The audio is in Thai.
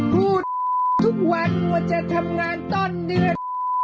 พูดทุกวันว่าจะทำงานตอนเดือน